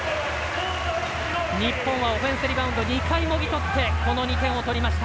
日本はオフェンスリバウンド２回もぎ取ってこの２点を取りました。